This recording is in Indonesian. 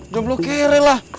jumlah keren lah